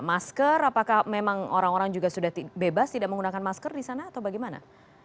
masker apakah memang orang orang juga sudah bebas tidak menggunakan masker di sana atau bagaimana